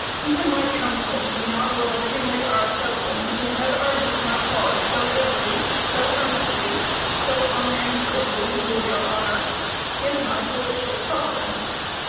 Even my counsel, the Hon. Henry R. Selden, who has argued my cause so ably, so earnestly, so unanswerably before your honor, is my political sovereign.